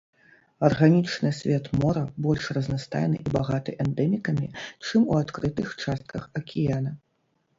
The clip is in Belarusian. Арганічны свет мора больш разнастайны і багаты эндэмікамі, чым у адкрытых частках акіяна.